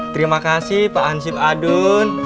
terima kasih pak hansib adun